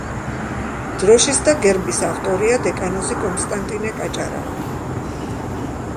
დროშის და გერბის ავტორია დეკანოზი კონსტანტინე კაჭარავა.